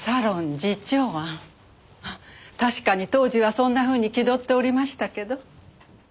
確かに当時はそんなふうに気取っておりましたけど。